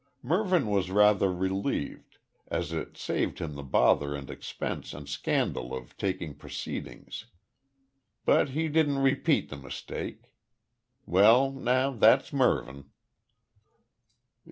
Mervyn was rather relieved, as it saved him the bother and expense and scandal of taking proceedings. But he didn't repeat the mistake. Well, now that's Mervyn."